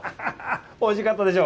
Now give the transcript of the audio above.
おいしかったでしょう。